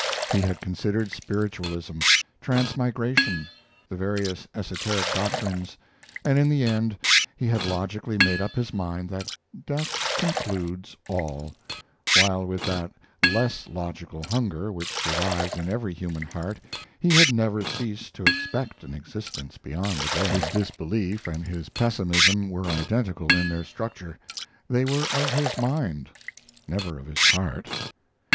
He had considered spiritualism, transmigration, the various esoteric doctrines, and in the end he had logically made up his mind that death concludes all, while with that less logical hunger which survives in every human heart he had never ceased to expect an existence beyond the grave. His disbelief and his pessimism were identical in their structure. They were of his mind; never of his heart.